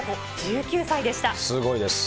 すごいです。